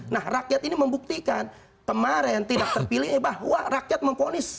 nah rakyat ini membuktikan kemarin tidak terpilih bahwa rakyat memponis